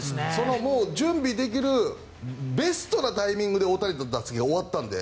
準備できるベストなタイミングで大谷の打席が終わったので。